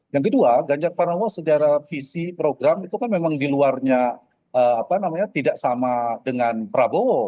yang kedua ganjar pranowo secara visi program itu kan memang di luarnya tidak sama dengan prabowo